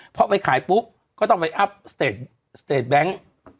เมื่อไปขายปุ๊บก็ต้องไปวินัยอัพสเตรดแบงค์